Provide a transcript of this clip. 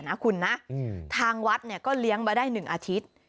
นะคุณนะทางวัดเนี่ยก็เลี้ยงมาได้๑อาทิตย์